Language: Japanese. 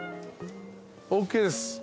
ＯＫです。